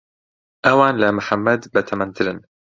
ئەوان لە محەممەد بەتەمەنترن.